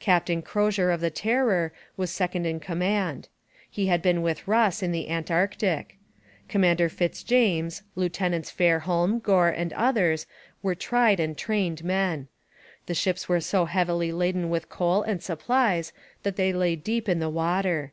Captain Crozier of the Terror was second in command. He had been with Ross in the Antarctic. Commander Fitzjames, Lieutenants Fairholme, Gore and others were tried and trained men. The ships were so heavily laden with coal and supplies that they lay deep in the water.